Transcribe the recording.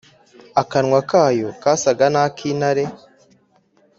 akanwa kayo kasaga n’ak’intare.